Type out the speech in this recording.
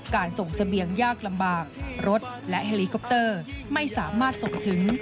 ส่งเสบียงยากลำบากรถและเฮลิคอปเตอร์ไม่สามารถส่งถึง